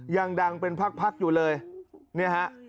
ยังดังเป็นพักอยู่เลยเนี่ยฮะ